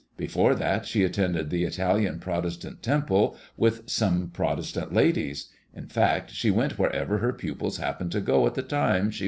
Before that she attended the Italian Protestant Temple with some 50 MADSMOISELLB IXB. Protestant ladies. In fact, she went wherever her pupils hap pened to go at the time she wa?